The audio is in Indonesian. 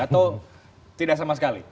atau tidak sama sekali